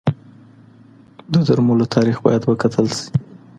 د درملو تاریخ باید وکتل شي.